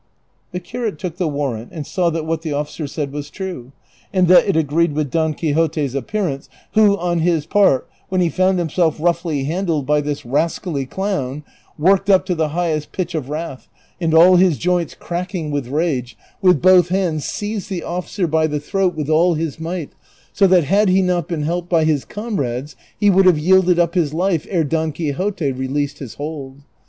The curate took the warrant and saw that what the officer said Avas true, and that it agreed Avith Don Quixote's appear 390 DON QUIXOTE. ance, avIio, on liis part, when he found himself roiighly handled by this rascally clown, worked up to the highest pitch of wrath, and all his joints cracking with rage, with both hands seized the officer l)y the throat with all his might, so that had he not been helped by his comrades he would have yielded up his life ere Don Quixote released his hold.